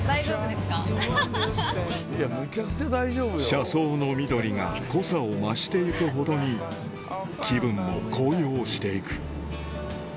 車窓の緑が濃さを増していくほどに気分も高揚していく